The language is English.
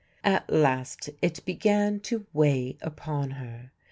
At last it began to weigh upon her.